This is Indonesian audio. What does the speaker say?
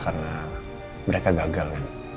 karena mereka gagal